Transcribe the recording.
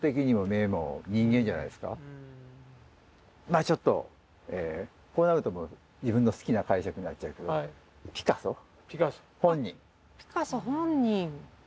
まあちょっとこうなるともう自分の好きな解釈になっちゃうけどどうでしょう。